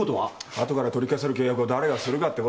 あとから取り消せる契約を誰がするかってこと。